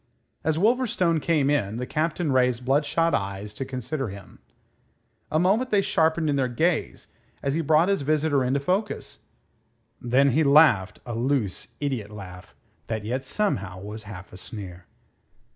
As Wolverstone came in, the Captain raised bloodshot eyes to consider him. A moment they sharpened in their gaze as he brought his visitor into focus. Then he laughed, a loose, idiot laugh, that yet somehow was half a sneer.